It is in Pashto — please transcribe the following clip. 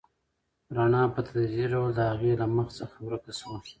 رڼا په تدریجي ډول د هغې له مخ څخه ورکه شوه.